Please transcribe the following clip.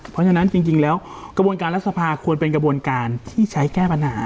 เพราะฉะนั้นจริงแล้วกระบวนการรัฐสภาควรเป็นกระบวนการที่ใช้แก้ปัญหา